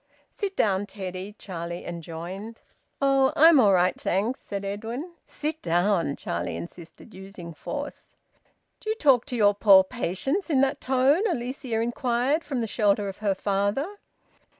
"Sit down, Teddy," Charlie enjoined. "Oh! I'm all right, thanks," said Edwin. "Sit down!" Charlie insisted, using force. "Do you talk to your poor patients in that tone?" Alicia inquired, from the shelter of her father.